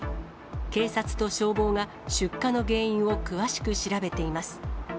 警察と消防が出火の原因を詳しく調べています。